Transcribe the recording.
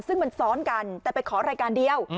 ซึ่งมันซ้อนกันแต่ไปขอรายการเดียว